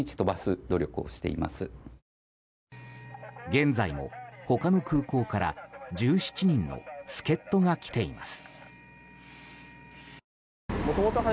現在も、他の空港から１７人の助っ人が来ています。